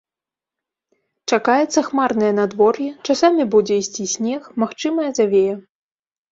Чакаецца хмарнае надвор'е, часамі будзе ісці снег, магчымая завея.